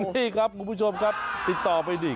นี่ครับคุณผู้ชมครับติดต่อไปดิ